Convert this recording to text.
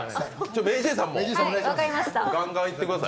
ＭａｙＪ．さんもガンガンいってください。